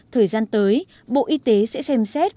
thời gian tới bộ y tế sẽ xem xét